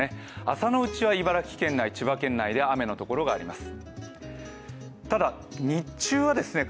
朝のうちは茨城県内、千葉県内で雨のところがあります。